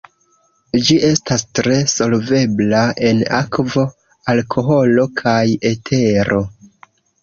Ĝi estas tre solvebla en akvo, alkoholo kaj etero.